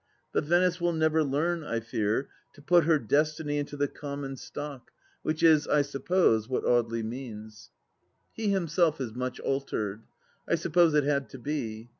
" But Venice will never learn, I fear, to put her destiny into the common stock, which is, I suppose, what Audely means. He himself is much altered. I suppose it had to be.